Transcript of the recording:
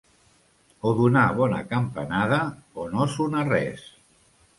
O donar bona campanada, o no sonar res.